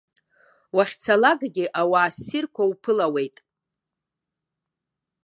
Уахьцалакгьы ауаа ссирқәа уԥылауеит.